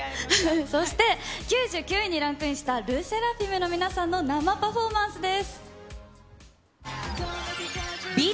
そして９９位にランクインしたＬＥＳＳＥＲＡＦＩＭの皆さんの生パフォーマンスです。